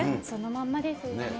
そのまんまですね。